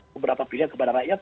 beberapa pilihan kepada rakyat